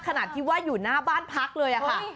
ขนาดที่ว่าอยู่หน้าบ้านพักเลยค่ะ